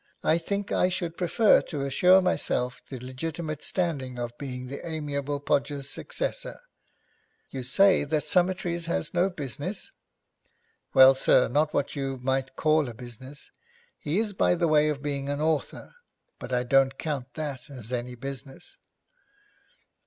I think I should prefer to assure myself the legitimate standing of being the amiable Podgers' successor. You say that Summertrees has no business?' 'Well, sir, not what you might call a business. He is by the way of being an author, but I don't count that any business.'